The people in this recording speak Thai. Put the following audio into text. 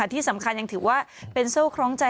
ที่สำคัญยังถือว่าเป็นโซ่คล้องใจ